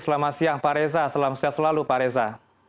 selamat siang pak reza selamat siang selalu pak reza